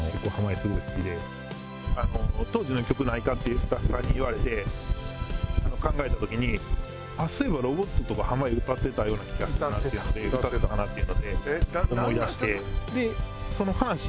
スタッフさんに言われて考えた時にそういえば『ロボット』とか濱家歌ってたような気がしたなっていうので歌ってたかなっていうので思い出して。